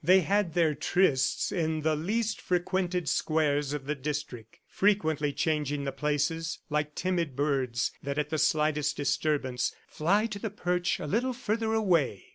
They had their trysts in the least frequented squares of the district, frequently changing the places, like timid birds that at the slightest disturbance fly to perch a little further away.